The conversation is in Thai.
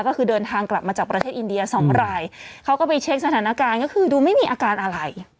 ก็คือเดินทางกลับมาจากประเทศอินเดียสองรายเขาก็ไปเช็คสถานการณ์ก็คือดูไม่มีอาการอะไร